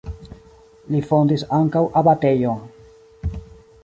Li fondis ankaŭ abatejon.